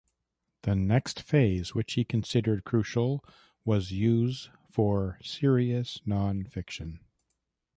The next phase, which he considered crucial, was use for serious non-fiction.